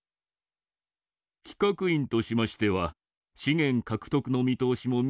企画院としましては資源獲得の見通しも見えてきた